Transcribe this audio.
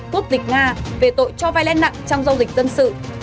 quốc dịch nga về tội cho vay lãi nặng trong dâu dịch dân sự